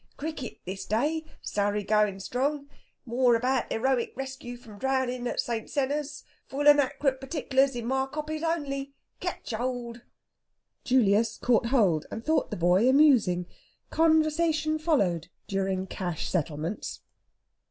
Cricket this day Surrey going strong. More about heroic rescue from drowning at St. Senna's. Full and ack'rate partic'lars in my copies only. Catch hold!..." Julius caught hold, and thought the boy amusing. Conversation followed, during cash settlements.